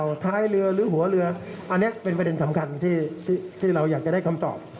ท้ายเรือหรือหัวเรืออันนี้เป็นประเด็นสำคัญที่เราอยากจะได้คำตอบ